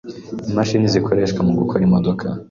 Imashini zikoreshwa mu gukora imodoka.